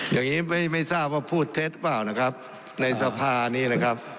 อย่างนี้ไม่ทราบว่าพูดเท็จเปล่านะครับในสภานี้นะครับ